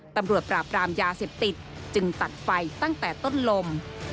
ตำรวจปราบรามยาเสพติดจึงตัดไฟตั้งแต่ต้นลม